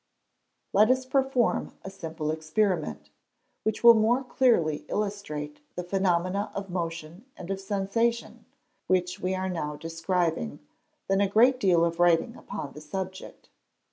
] Let us perform a simple experiment, which will more clearly illustrate the phenomena of motion and of sensation, which we are now describing, than a great deal of writing upon the subject.